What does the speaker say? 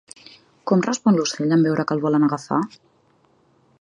Com respon l'ocell en veure que el volen agafar?